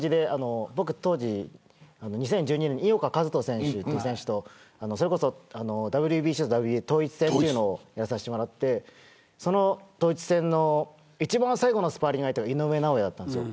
僕は当時２０１２年に井岡一翔選手とＷＢＣとＷＢＡ統一戦というのをやらせてもらってその統一戦の一番最後のスパーリングの相手が井上尚弥だったんです。